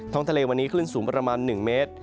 ทะเลวันนี้คลื่นสูงประมาณ๑เมตร